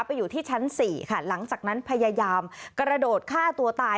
อยู่ที่ชั้น๔ค่ะหลังจากนั้นพยายามกระโดดฆ่าตัวตาย